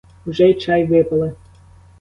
Вже й чай випили.